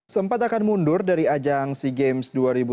sempat akan mundur dari ajang sea games dua ribu tujuh belas